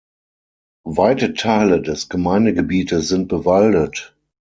Weite Teile des Gemeindegebietes sind bewaldet.